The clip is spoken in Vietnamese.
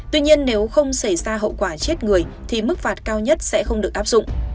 tuy nhiên nếu không xảy ra hậu quả chết người thì mức phạt cao nhất sẽ không được áp dụng